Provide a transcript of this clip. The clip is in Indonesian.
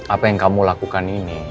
apa yang kamu lakukan ini